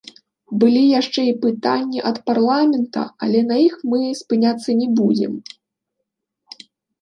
Былі яшчэ і пытанні ад парламента, але на іх мы спыняцца не будзем.